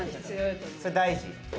それ大事。